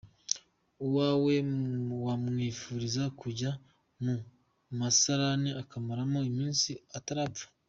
Uwawe wamwifuriza kujya mu musarani akamaramo iminsi atarapfa ?